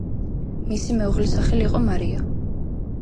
მისი მეუღლის სახელი იყო მარია.